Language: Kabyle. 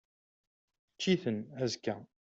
Ečč-iten, azekka!